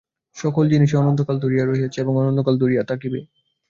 সকল জিনিষই অনন্তকাল ধরিয়া রহিয়াছে এবং অনন্তকাল ধরিয়া থাকিবে।